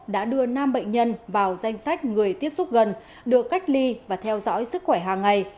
đã đưa năm bệnh nhân vào danh sách người tiếp xúc gần được cách ly và theo dõi sức khỏe hàng ngày